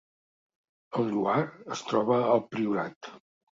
El Lloar es troba al Priorat